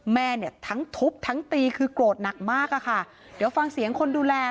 แม่เนี่ยทั้งทุบทั้งตีคือโกรธหนักมากอะค่ะเดี๋ยวฟังเสียงคนดูแล